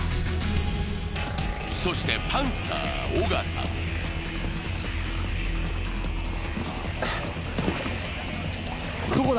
そしてパンサー尾形もどこだ？